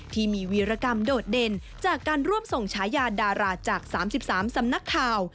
วีรกรรมโดดเด่นจากการร่วมส่งฉายาดาราจาก๓๓สำนักข่าว